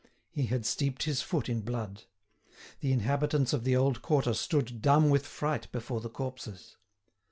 He had steeped his foot in blood. The inhabitants of the old quarter stood dumb with fright before the corpses.